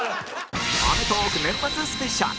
『アメトーーク』年末スペシャル